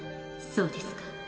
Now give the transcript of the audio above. そうですか。